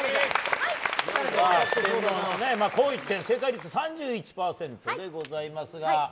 紅一点正解率３１％でございます。